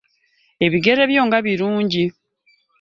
Ebigere byo nga birungi.